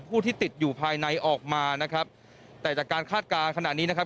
ผู้ที่ติดอยู่ภายในออกมานะครับแต่จากการคาดการณ์ขณะนี้นะครับ